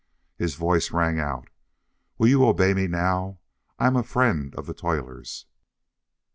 His voice rang out, "Will you obey me now? I am a friend of the toilers!"